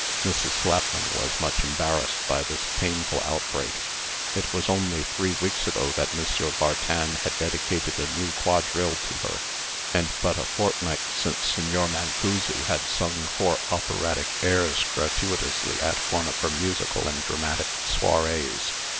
Mrs. Slapman was much embarrassed by this painful outbreak. It was only three weeks ago that M. Bartin had dedicated a new quadrille to her; and but a fortnight since Signor Mancussi had sung four operatic airs gratuitously at one of her musical and dramatic soirées.